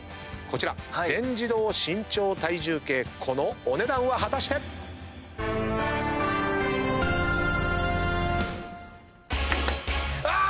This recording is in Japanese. こちら全自動身長体重計このお値段は果たして⁉あ！